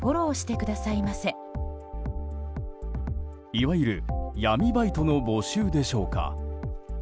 いわゆる、闇バイトの募集でしょうか。